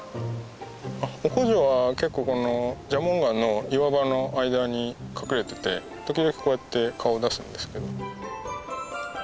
オコジョは結構この蛇紋岩の岩場の間に隠れてて時々こうやって顔出すんですけど。